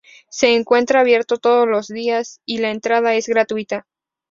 Se encuentra abierto todos los días y la entrada es gratuita.